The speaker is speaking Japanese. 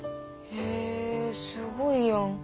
へえすごいやん。